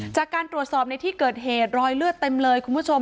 จากการตรวจสอบในที่เกิดเหตุรอยเลือดเต็มเลยคุณผู้ชม